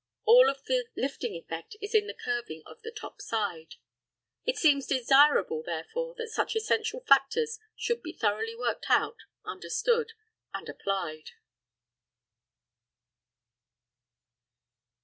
All of the lifting effect is in the curving of the top side. It seems desirable, therefore, that such essential factors should be thoroughly worked out, understood, and applied.